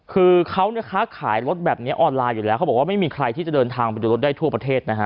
คือเขาเนี่ยค้าขายรถแบบนี้ออนไลน์อยู่แล้วเขาบอกว่าไม่มีใครที่จะเดินทางไปดูรถได้ทั่วประเทศนะฮะ